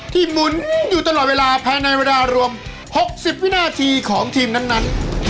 หมุนอยู่ตลอดเวลาภายในเวลารวม๖๐วินาทีของทีมนั้น